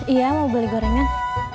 iya mau beli gorengan